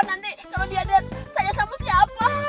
nanti kalau dia lihat saya sama siapa